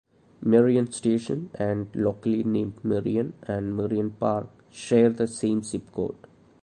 Merion Station and locally named Merion and Merion Park share the same zip code.